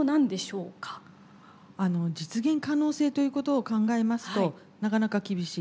実現可能性ということを考えますとなかなか厳しい。